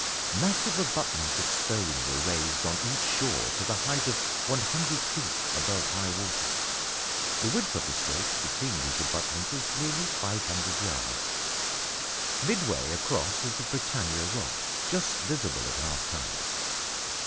Massive abutments of stone were raised on each shore to the height of 100 feet above high water. The width of the strait between these abutments is nearly 500 yards. Midway across is the Britannia Rock, just visible at half tide.